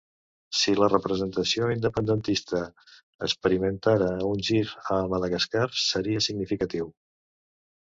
Si la representació independentista experimentara un gir a Madagascar, seria significatiu.